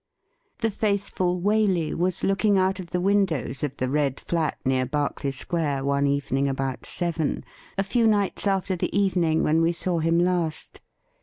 The faithful Waley was looking out of the windows of the red flat near Berkeley Square one evening about seven, a few nights after the evening when we saw him last.